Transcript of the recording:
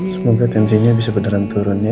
semoga tensinya bisa beneran turun ya